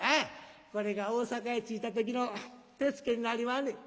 これが大坂へ着いた時の手付けになりまんねん。